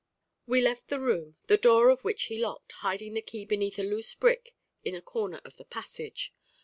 We left the room, the door of which he locked, hiding the key beneath a loose brick in a corner of the passage.